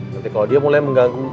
nanti kalau dia mulai mengganggu